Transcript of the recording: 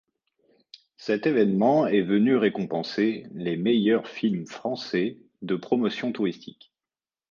Cet événement est venu récompenser les meilleurs films français de promotion touristique.